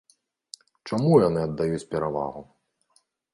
Чаму яны аддаюць перавагу?